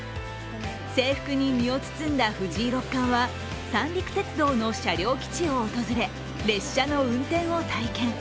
制服に身を包んだ藤井六冠は三陸鉄道の車両基地を訪れ列車の運転を体験。